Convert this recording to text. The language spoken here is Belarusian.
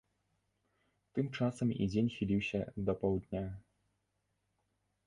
Тым часам і дзень хіліўся з паўдня.